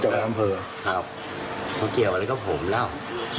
ใครเขาเกี่ยวอะไรก็ผมแล้ว